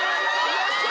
よっしゃ！